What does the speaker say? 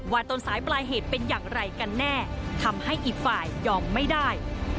ต้นสายปลายเหตุเป็นอย่างไรกันแน่ทำให้อีกฝ่ายยอมไม่ได้